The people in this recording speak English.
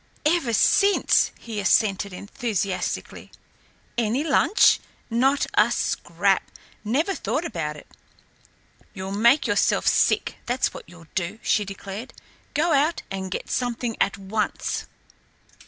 "Ever since," he assented enthusiastically. "Any lunch?" "Not a scrap. Never thought about it." "You'll make yourself sick, that's what you'll do," she declared. "Go out and get something at once."